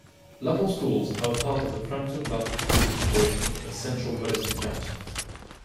Lapel schools are a part of the Frankton-Lapel School Corporation in central Madison County.